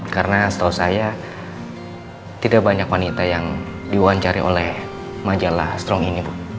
karena setahu saya tidak banyak wanita yang diwawancari oleh majalah strong ini bu